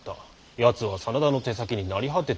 やつは真田の手先に成り果てていたのだ。